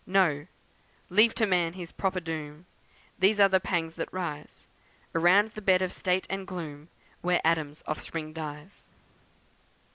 No! leave to man his proper doom! These are the pangs that rise Around the bed of state and gloom, Where Adam's offspring dies!